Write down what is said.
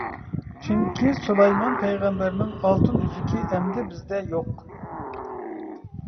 چۈنكى سۇلايمان پەيغەمبەرنىڭ ئالتۇن ئۈزۈكى ئەمدى بىزدە يوق.